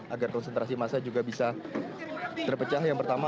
agar konsentrasi massa juga bisa terpecah yang pertama